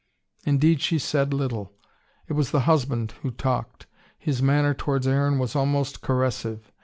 Indeed she said little. It was the husband who talked. His manner towards Aaron was almost caressive.